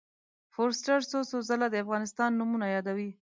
فورسټر څو څو ځله د افغانستان نومونه یادوي.